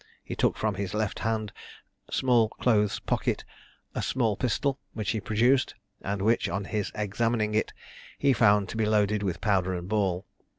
He took from his left hand small clothes pocket a small pistol, which he produced, and which, on his examining it, he found to be loaded with powder and ball.